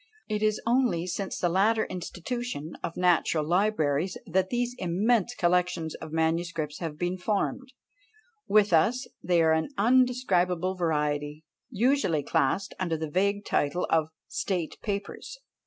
It is only since the latter institution of national libraries that these immense collections of manuscripts have been formed; with us they are an undescribable variety, usually classed under the vague title of "state papers."